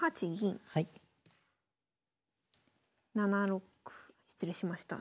７六歩失礼しました。